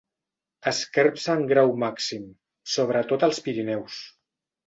Esquerps en grau màxim, sobretot als Pirineus.